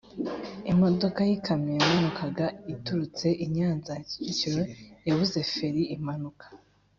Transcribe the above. Imodoka y’ikamyo yamanukaga iturutse i Nyanza ya Kicukiro yabuze feri imanuka